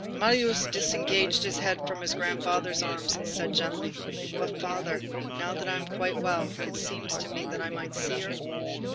Marius disengaged his head from his grandfather's arms, and said gently: "But, father, now that I am quite well, it seems to me that I might see her."